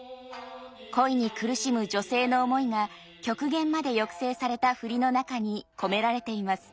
恋に苦しむ女性の思いが極限まで抑制された振りの中に込められています。